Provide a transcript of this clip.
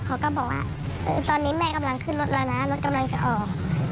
เขาก็บอกว่าตอนนี้แม่กำลังขึ้นรถแล้วนะรถกำลังจะออก